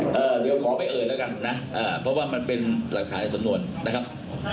อ่าเออเดี๋ยวขอไปเอิญแล้วกันนะเอ่อเพราะว่ามันเป็นอักษรสมนต์นะครับ